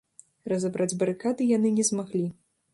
Разабраць барыкады яны не змаглі.